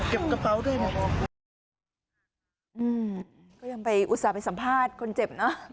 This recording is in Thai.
กระเป๋าด้วยนะอืมก็ยังไปอุตส่าห์ไปสัมภาษณ์คนเจ็บเนอะ